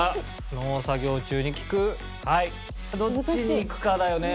どっちにいくかだよね。